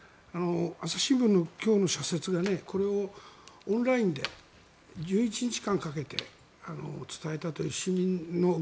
朝日新聞の今日の社説がこれをオンラインで１１日間かけて伝えたといいます。